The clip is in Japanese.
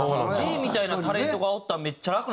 Ｇみたいなタレントがおったらめっちゃ楽なんですね。